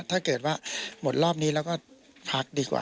ถ้าเกิดว่าหมดรอบนี้แล้วก็พักดีกว่า